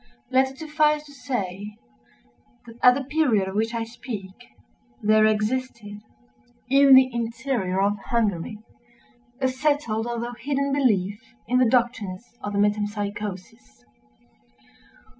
Let it suffice to say, that at the period of which I speak, there existed, in the interior of Hungary, a settled although hidden belief in the doctrines of the Metempsychosis.